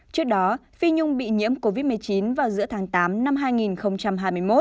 trước đó phi nhung bị nhiễm covid một mươi chín vào giữa tháng tám năm hai nghìn hai mươi một